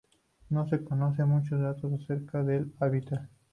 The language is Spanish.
No se conocen muchos datos acerca del hábitat.